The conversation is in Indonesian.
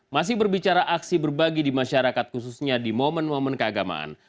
masih berbicara aksi berbagi di masyarakat khususnya di momen momen keagamaan